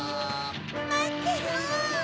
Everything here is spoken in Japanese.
まってよ！